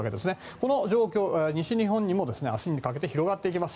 この状況、西日本にも明日にかけて広がっていきます。